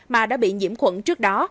mà đã bị nhiễm khuẩn trước đó